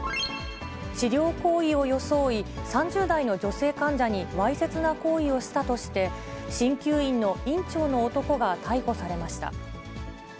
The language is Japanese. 治療行為を装い、３０代の女性患者にわいせつな行為をしたとして、しんきゅう院の院長の男が逮捕されました。